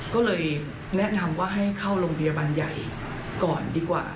ก็เลยแนะนำว่าให้เข้าโรงพยาบาลใหญ่ก่อนดีกว่า